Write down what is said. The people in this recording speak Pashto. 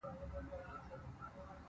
ښایست د وفادارۍ څرک دی